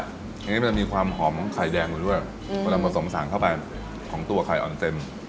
อย่างนี้มันจะมีความหอมของไข่แดงอยู่ด้วยเวลาผสมสารเข้าไปของตัวไข่อ่อนเต็ม